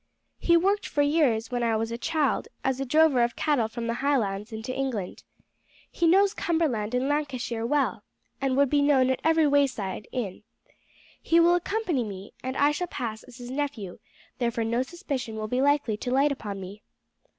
He worked for years, when I was a child, as a drover of cattle from the Highlands into England. He knows Cumberland and Lancashire well, and would be known at every wayside inn. He will accompany me, and I shall pass as his nephew, therefore no suspicion will be likely to light upon me."